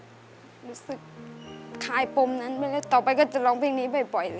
รู้สึกคลายปมนั้นไปแล้วต่อไปก็จะร้องเพลงนี้บ่อยเลย